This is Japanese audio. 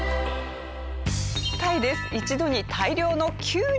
タイです。